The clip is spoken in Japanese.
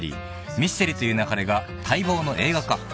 『ミステリと言う勿れ』が待望の映画化］